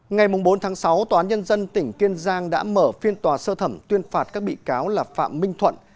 ngày bốn sáu tòa nhân dân tỉnh kiên giang đã mở phiên tòa sơ thẩm tuyên phạt các bị cáo là phạm minh thuận